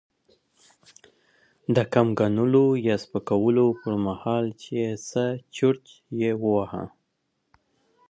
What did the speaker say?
د کم ګڼلو يا سپکولو پر مهال؛ چې څه خرج يې وواهه.